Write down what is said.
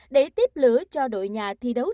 để tiếp lửa cho đội nhà thi đấu